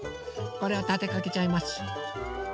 これをたてかけちゃいます。